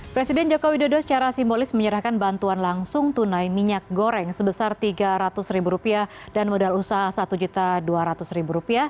presiden jokowi dodo secara simbolis menyerahkan bantuan langsung tunai minyak goreng sebesar rp tiga ratus dan modal usaha rp satu dua ratus